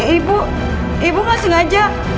ibu ibu gak sengaja